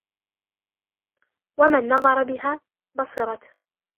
وَمَنْ نَظَرَ بِهَا بَصِرَتْهُ